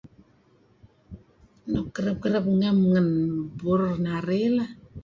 Nuk kereb-kereb ngam ngan burur narih lah.